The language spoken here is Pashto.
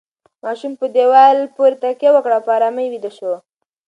ماشوم په دیوال پورې تکیه وکړه او په ارامۍ ویده شو.